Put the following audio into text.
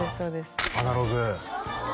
「アナログ」